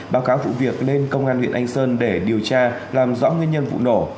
báo cáo vụ việc lên công an huyện anh sơn để điều tra làm rõ nguyên nhân vụ nổ